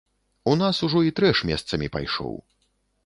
У нас ужо і трэш месцамі пайшоў.